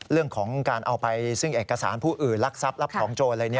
เรื่องของการเอาไปซึ่งเอกสารผู้อื่นลักทรัพย์รับของโจรอะไร